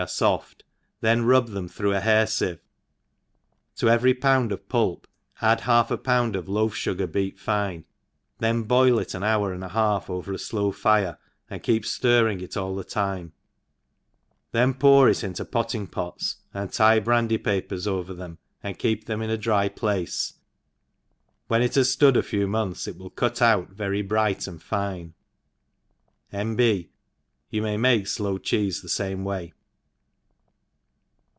are foft, then rub them through a hair fievej to jevery poond of pulp add half a pound of loaf fugar beat fine^ then boil it an hour and a half over a (low £re,, and keep flir ring it all thetime^ then poor it into pottjng pots^ and tie brandy papers over them, aod keep them in a dry place ; when it has {lood a few months 4t wiU 4 cut Gut very bright and fine. — N. B. You may make floe cheeie the fame way.